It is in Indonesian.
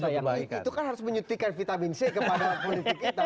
itu kan harus menyuntikkan vitamin c kepada politik kita